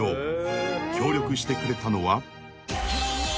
［協力してくれたのは］